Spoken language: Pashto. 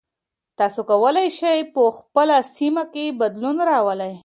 تاسو کولای سئ په خپله سیمه کې بدلون راولئ.